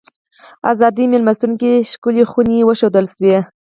ازادۍ مېلمستون کې ښکلې خونې وښودل شوې.